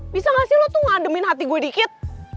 bisa gak sih lo tuh ngademin hati gue dikit